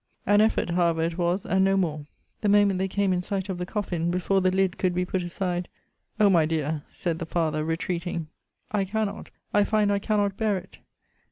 An effort, however, it was, and no more. The moment they came in sight of the coffin, before the lid could be put aside, O my dear, said the father, retreating, I cannot, I find I cannot bear it!